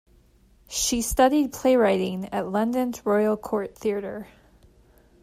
She studied playwriting at London's Royal Court Theatre.